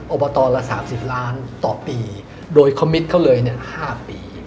อบตละ๓๐ล้านต่อปีโดยคอมมิตเขาเลย๕ปี